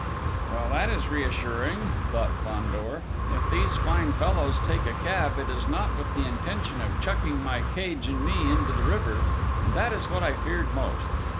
"Well, that is reassuring," thought Fandor. "If these fine fellows take a cab, it is not with the intention of chucking my cage and me into the river and that is what I feared most.